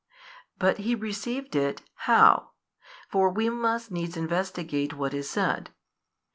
But He received It, how? for we must needs investigate what is said.